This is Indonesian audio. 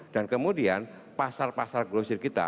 dan kemudian pasar pasar grocery kita